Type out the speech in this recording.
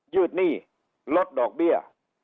ืดหนี้ลดดอกเบี้ย